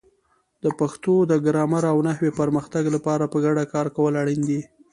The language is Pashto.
د پښتو د ګرامر او نحوې پرمختګ لپاره په ګډه کار کول اړین دي.